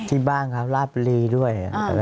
ที่บ้านครับราบรีด้วย